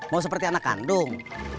mau seperti anak kandung